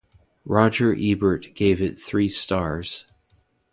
Roger Ebert gave it three stars.